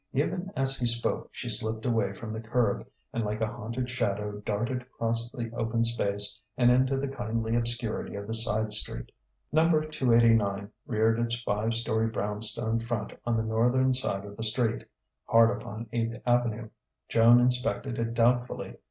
Even as he spoke she slipped away from the curb and like a haunted shadow darted across the open space and into the kindly obscurity of the side street. Number 289 reared its five storey brown stone front on the northern side of the street, hard upon Eighth Avenue. Joan inspected it doubtfully.